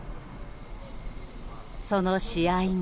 その試合後。